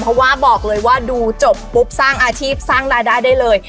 เพราะว่าบอกเลยว่าดูจบปุ๊บสร้างอาชีพสร้างรายได้ได้เลย